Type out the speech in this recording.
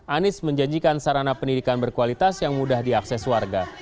anies menjanjikan sarana pendidikan berkualitas yang mudah diakses warga